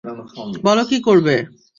বলো কী করবে?